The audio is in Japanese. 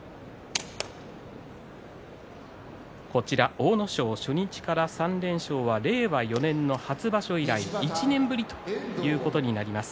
阿武咲、初日から３連勝は令和４年の初場所以来１年ぶりということになります。